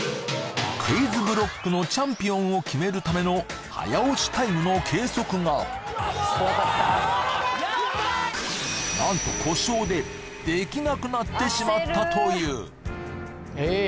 クイズブロックのチャンピオンを決めるための早押しタイムの計測が何と故障でできなくなってしまったというえーっ